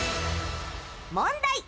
問題。